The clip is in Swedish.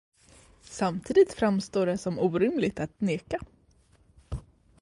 Samtidigt framstår det som orimligt att neka.